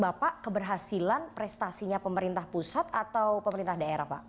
bapak keberhasilan prestasinya pemerintah pusat atau pemerintah daerah pak